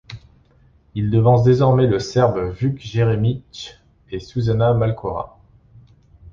Il devance désormais le Serbe Vuk Jeremić et Susana Malcorra.